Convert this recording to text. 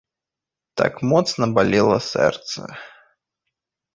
Так моцна балела сэрца.